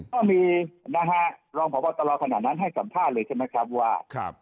ก็มีนะฮะรองพบตรขณะนั้นให้สัมภาษณ์เลยใช่ไหมครับว่า